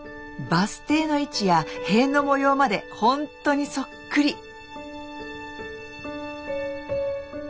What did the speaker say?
バス停の位置や塀の模様までほんとにそっくり！